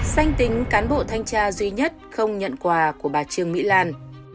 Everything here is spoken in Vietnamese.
sanh tính cán bộ thanh tra duy nhất không nhận quà của bà trương mỹ lan